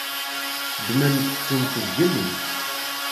Ddment-tent zgelli.